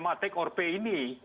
prinsipnya take or pay ini